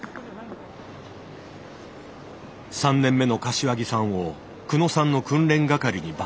３年目の柏木さんを久野さんの訓練係に抜擢。